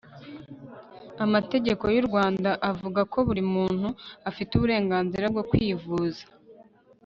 amategeko y'u rwanda avugako buri muntu afite uburenganzira bwo kwivuza